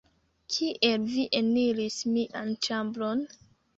Kiel vi eniris mian ĉambron?